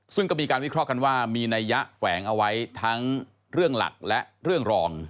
ซึ่งก็มีการวิเคราะห์กันว่ามีนัยยะแฝงเอาไว้ทั้งเรื่องหลักและเรื่องรอง